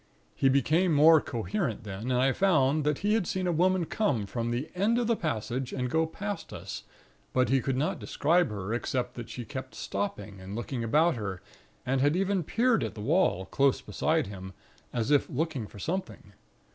He became more coherent then, and I found that he had seen a Woman come from the end of the passage, and go past us; but he could not describe her, except that she kept stopping and looking about her, and had even peered at the wall, close beside him, as if looking for something.